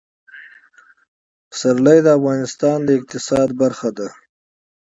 پسرلی د افغانستان د اقتصاد برخه ده.